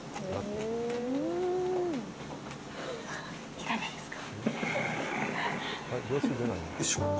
いかがですか。